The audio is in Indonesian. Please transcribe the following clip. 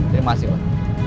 terima kasih pak